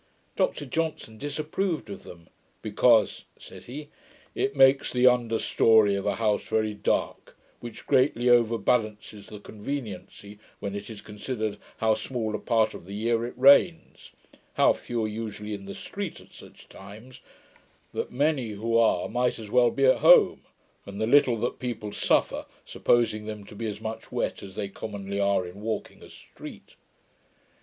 Dr Johnson disapproved of them, 'because,' said he, 'it makes the under story of a house very dark, which greatly over balances the conveniency, when it is considered how small a part of the year it rains; how few are usually in the street at such times; that many who are might as well be at home; and the little that people suffer, supposing them to be as much wet as they commonly are in walking a street'.